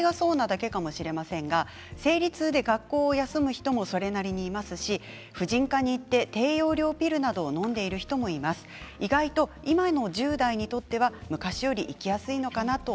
たまたま自分の周りがそうなだけかもしれませんが生理痛で学校休む人はそれなりにいますし婦人科に行って低容量ピルのんでいる人も意外います。